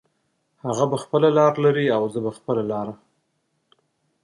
هغه به خپله لار لري او زه به خپله لاره